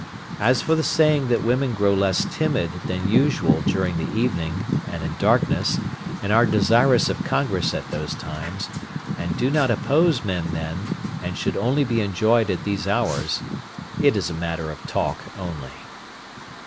As for the saying that women grow less timid than usual during the evening, and in darkness, and are desirous of congress at those times, and do not oppose men then and should only be enjoyed at these hours, it is a matter of talk only.